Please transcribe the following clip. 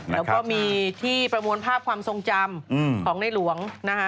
แล้วก็มีที่ประมวลภาพความทรงจำของในหลวงนะคะ